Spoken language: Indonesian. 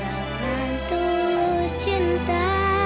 dengan tulus cinta